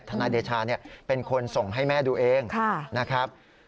นายเดชาเป็นคนส่งให้แม่ดูเองนะครับ